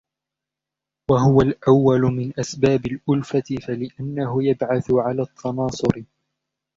وَهُوَ الْأَوَّلُ مِنْ أَسْبَابِ الْأُلْفَةِ فَلِأَنَّهُ يَبْعَثُ عَلَى التَّنَاصُرِ